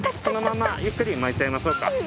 そのままゆっくり巻いちゃいましょうか。